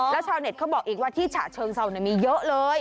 แล้วชาวเน็ตเขาบอกอีกว่าที่ฉะเชิงเซามีเยอะเลย